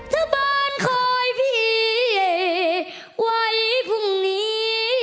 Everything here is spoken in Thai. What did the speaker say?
ชาวบ้านคอยพี่ไว้พรุ่งนี้